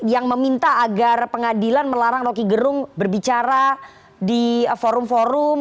yang meminta agar pengadilan melarang roky gerung berbicara di forum forum